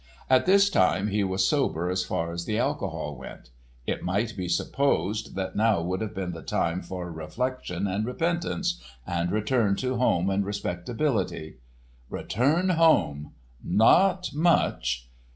At this time he was sober as far as the alcohol went. It might be supposed that now would have been the time for reflection and repentance and return to home and respectability. Return home! Not much!